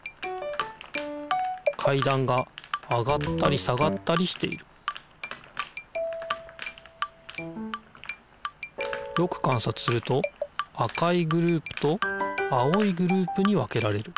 かいだんが上がったり下がったりしているよくかんさつすると赤いグループと青いグループに分けられる。